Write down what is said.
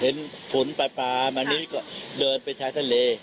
เห็นฝุนปลามานี่ก็เดินไปใช้ทะเล